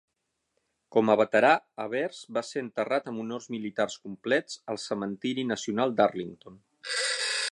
Com a veterà, Evers va ser enterrat amb honors militars complets al cementiri nacional d'Arlington.